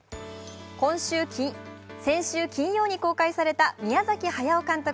先週金曜日に公開された宮崎駿監督